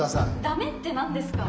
ダメって何ですか？